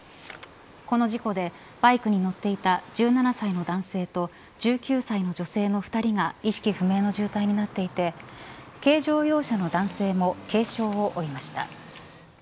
この事故でバイクに乗っていた１７歳の男性と１９歳の女性の２人が意識不明の重体となっていて軽乗用車の男性も軽傷を負いました。